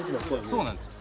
そうなんです。